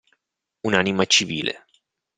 Un'anima civile.